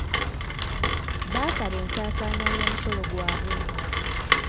Baasaaba ensaasaanya y'omusolo gwabwe.